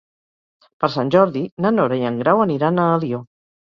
Per Sant Jordi na Nora i en Grau aniran a Alió.